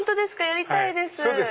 やりたいです！